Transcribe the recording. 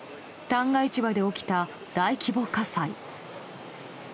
旦過市場で起きた大規模火災。